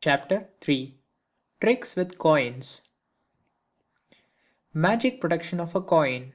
CHAPTER III TRICKS WITH COINS Magic Production of a Coin.